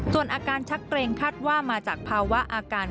ส่วนอาการชักเกรงคาดว่ามาจากภาวะอาการ